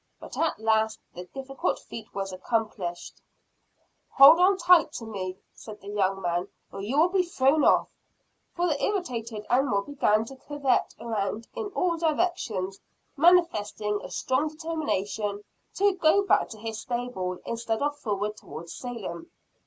But at last the difficult feat was accomplished. "Hold on to me tightly," said the young man, "or you will be thrown off " for the irritated animal began to curvet around in all directions, manifesting a strong determination to go back to his stable, instead of forward towards Salem.